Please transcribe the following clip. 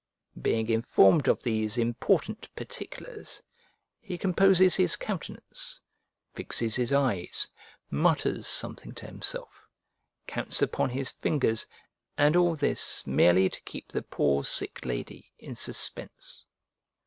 Being informed of these important particulars, he composes his countenance, fixes his eyes, mutters something to himself, counts upon his fingers, and all this merely to keep the poor sick lady in suspense.